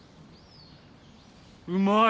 うまい！